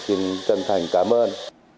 xin chân thành cảm ơn